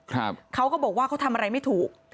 เขาก็บอกว่าเขาทำอะไรไม่ถูก